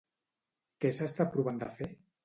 Què s'està provant de fer?